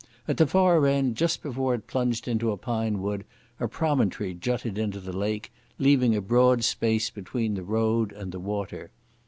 At the far end, just before it plunged into a pine wood, a promontory jutted into the lake, leaving a broad space between the road and the water.